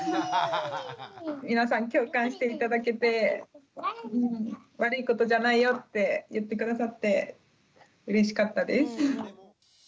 皆さん共感して頂けて悪いことじゃないよって言って下さってうれしかったです。